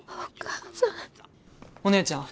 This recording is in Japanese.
お姉ちゃん。